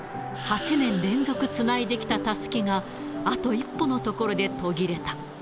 ８年連続つないできたたすきがあと一歩のところで途切れた。